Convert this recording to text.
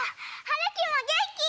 はるきもげんき！